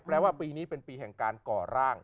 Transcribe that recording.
แปลว่าปีนี้เป็นปีแห่งการก่อร่าง